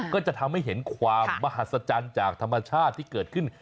ก็จะทำให้เห็นความมหัศจรรย์จากธรรมชาติที่เกิดขึ้น